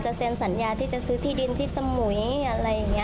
เซ็นสัญญาที่จะซื้อที่ดินที่สมุยอะไรอย่างนี้